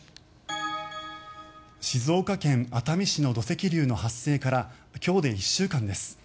静岡県熱海市の土石流の発生から今日で１週間です。